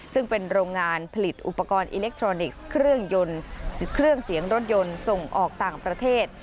ซึ่งเป็นโรงงานผลิตอุปกรณ์อิเล็กทรอนิกส์เครื่องยนต์เครื่องเสียงรถยนต์ส่งออกต่างประเทศ